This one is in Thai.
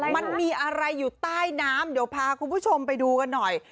มันมีอะไรอยู่ใต้น้ำเดี๋ยวพาคุณผู้ชมไปดูกันหน่อย